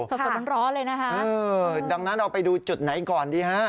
สดสดร้อนเลยนะคะเออดังนั้นเราไปดูจุดไหนก่อนดีฮะ